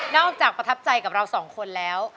อกจากประทับใจกับเราสองคนแล้ว